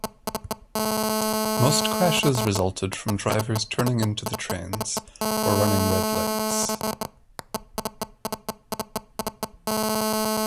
Most crashes resulted from drivers turning into the trains or running red lights.